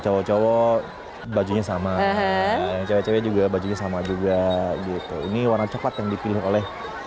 cowok cowok bajunya sama cewek cewek juga bajunya sama juga gitu ini warna coklat yang dipilih oleh